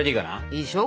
いいでしょ？